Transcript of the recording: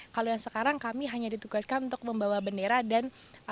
kalau yang sekarang kami hanya ditugaskan untuk membawa bendera dan